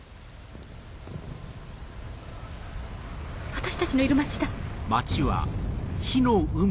私たちのいる町だ。